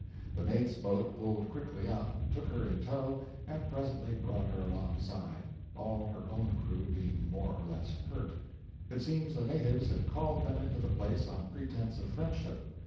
The mate's boat pulled quickly up, took her in tow, and presently brought her alongside, all her own crew being more or less hurt. It seems the natives had called them into the place on pretence of friendship.